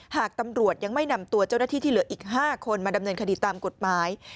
หากตำรวจยังไม่นำตัวเจ้าหน้าที่ที่เหลืออีก๕คนมาดำเนินคดีตามกฎหมาย